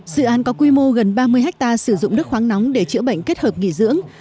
dự án có quy mô gần ba mươi hectare sử dụng đất khoáng nóng để chữa bệnh kết hợp nghỉ dưỡng